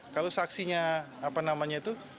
kalau saksinya apa namanya itu